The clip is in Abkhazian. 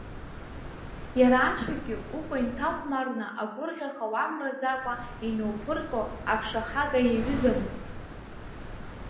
Иара ашәагьы, укәа инҭахәмарны, агәырӷьаха уамраӡакәа иноуԥырҟьо аԥша-хага иаҩызамызт.